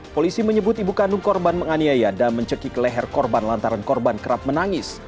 polisi menyebut ibu kandung korban menganiaya dan mencekik leher korban lantaran korban kerap menangis